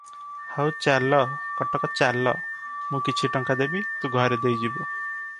ହଉ ଚାଲ, କଟକ ଚାଲ, ମୁଁ କିଛି ଟଙ୍କା ଦେବି, ତୁ ଘରେ ଦେଇଯିବୁ ।